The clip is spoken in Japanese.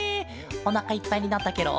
おなかいっぱいになったケロ？